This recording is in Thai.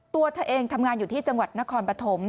ตัวเธอเองทำงานอยู่ที่จังหวัดนครปฐม